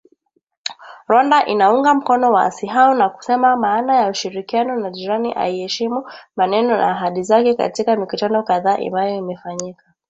Rwanda inaunga mkono waasi hao na kusema maana ya ushirikiano na jirani aiyeheshimu maneno na ahadi zake katika mikutano kadhaa ambayo imefanyika